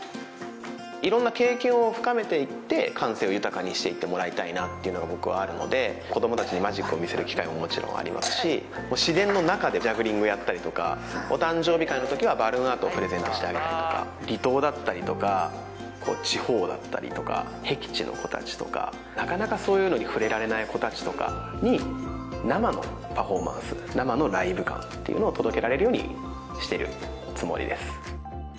いろんな経験を深めていって感性を豊かにしていってもらいたいなっていうのが僕はあるので子供達にマジックを見せる機会ももちろんありますし自然の中でジャグリングやったりとかお誕生日会のときはバルーンアートをプレゼントしてあげたりとか離島だったりとか地方だったりとかへき地の子達とかなかなかそういうのに触れられない子達とかに生のパフォーマンス生のライブ感っていうのを届けられるようにしてるつもりです